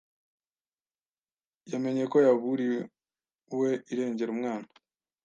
yamenye ko yaburiwe irengero umwana